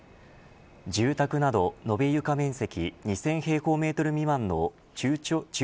住宅など、延べ床面積２０００平方メートル未満の中